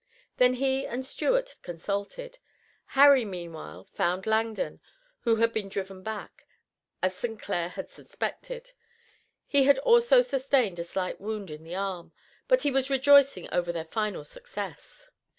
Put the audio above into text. Then he and Stuart consulted. Harry, meanwhile, found Langdon, who had been driven back, as St Clair had suspected. He had also sustained a slight wound in the arm, but he was rejoicing over their final success.